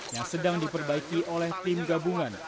yang sedang diperbaiki oleh tim gabungan